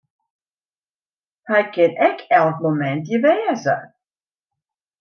Hy kin ek elk momint hjir wêze.